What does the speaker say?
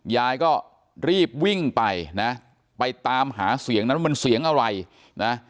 ยายก็รีบวิ่งไปนะไปตามหาเสียงนั้นว่ามันเสียงอะไรนะ